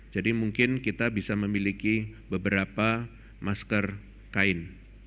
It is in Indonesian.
jadi mungkin kita bisa memiliki beberapa masker kain